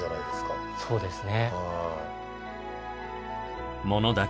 はいそうですね。